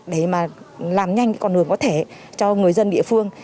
để mà làm nhanh con đường có thể cho người dân địa phương